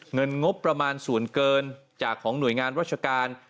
เงินงบประมาณส่วนเกินจากของหน่วยงานราชการ